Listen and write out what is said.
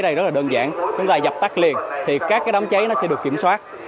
rất là đơn giản chúng ta nhập tác liền thì các cái đấm cháy nó sẽ được kiểm soát